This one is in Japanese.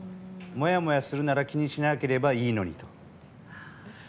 モヤモヤするなら気にしなければいいのにと。